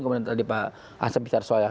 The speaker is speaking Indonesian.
kemudian di pak asyaf bikarsoya